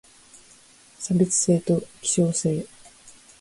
差別性と希少性